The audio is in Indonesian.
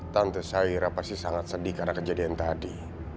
tante saya pasti sangat sedih karena kejadian tadi